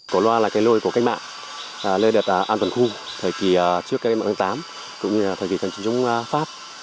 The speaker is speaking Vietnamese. cổ loa là cái lôi của cách mạng lơi đặt an toàn khu thời kỳ trước cách mạng tháng tám cũng như thời kỳ thành trình chống pháp